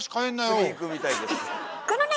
次いくみたいです。